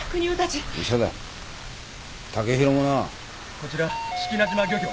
こちら志木那島漁協。